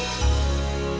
sampai jumpa lagi shay